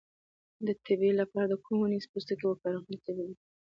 د تبې لپاره د کومې ونې پوستکی وکاروم؟